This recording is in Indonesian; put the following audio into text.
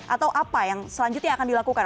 atau apa yang selanjutnya akan dilakukan